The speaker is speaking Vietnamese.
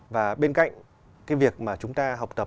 và bên cạnh cái việc mà chúng ta học tập